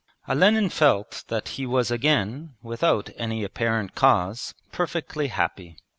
Olenin felt that he was again, without any apparent cause, perfectly happy.